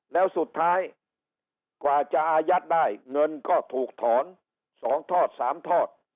แล้วสุดท้ายกว่าจะอายัดได้เงินก็ถูกถอน๒ทอด๓ทอด